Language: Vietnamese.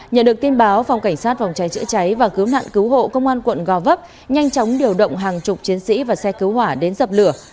nhận được tin báo phòng cảnh sát phòng cháy chữa cháy và cứu nạn cứu hộ công an quận gò vấp nhanh chóng điều động hàng chục chiến sĩ và xe cứu hỏa đến dập lửa